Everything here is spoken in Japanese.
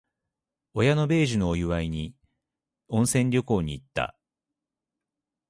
親の米寿のお祝いに、温泉旅行に行った。